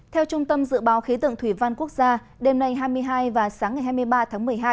theo trung tâm dự báo khí tượng thủy văn quốc gia đêm nay hai mươi hai và sáng ngày hai mươi ba tháng một mươi hai